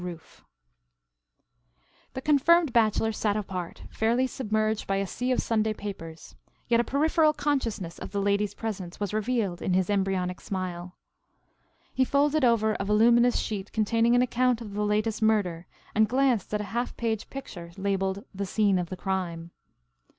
ROOF The confirmed bachelor sat apart, fairly submerged by a sea of Sunday papers; yet a peripheral consciousness of the ladies' presence was revealed in his embryonic smile. He folded over a voluminous sheet containing an account of the latest murder, and glanced at a half page picture, labeled, "The Scene of the Crime."